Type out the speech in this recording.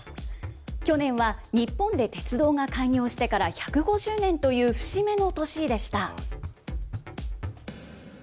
去年は日本で鉄道が開業してから１５０年という節目の年でした。